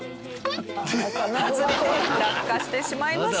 落下してしまいました。